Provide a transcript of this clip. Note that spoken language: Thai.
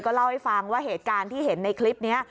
เล่าให้ฟังว่าเหตุการณ์ที่เห็นในคลิปนี้